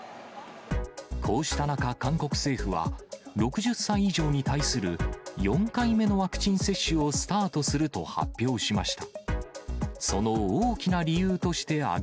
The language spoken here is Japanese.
こうした中、韓国政府は６０歳以上に対する４回目のワクチン接種をスタートすると発表しました。